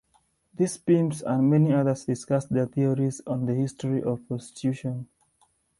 These pimps, and many others discuss their theories on the history of prostitution.